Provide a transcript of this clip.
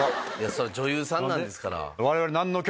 そりゃ女優さんなんですから。